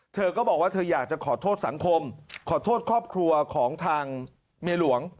เธอก็บอกว่าเธออยากจะขอโทษสังคมขอโทษครอบครัวของทางเมียหลวง